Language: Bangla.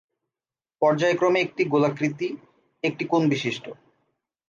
পর্যায়ক্রমে একটি গোলাকৃতি একটি কোণ-বিশিষ্ট।